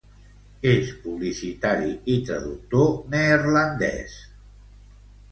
És publicitari i traductor neerlandès.